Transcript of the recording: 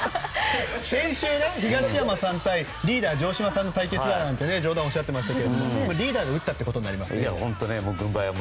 先週、東山さん対リーダー城島さんの対決だと冗談をおっしゃっていましたがリーダーが打ったということになりますね。